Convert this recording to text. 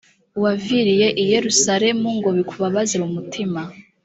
waviriye i yerusalemu ngo bikubabaze mu mutima